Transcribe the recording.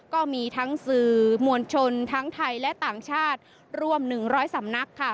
ก็มีทั้งสื่อมวลชนทั้งไทยและต่างชาติร่วม๑๐๐สำนักค่ะ